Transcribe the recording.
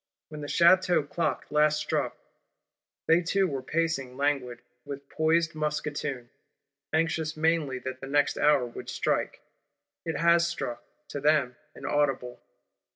When the Château Clock last struck, they two were pacing languid, with poised musketoon; anxious mainly that the next hour would strike. It has struck; to them inaudible.